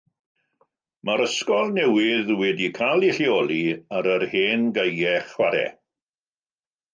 Mae'r ysgol newydd wedi cael ei lleoli ar yr hen gaeau chwarae.